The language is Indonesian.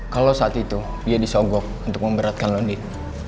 kalo saat itu dia disogok untuk memberatkan london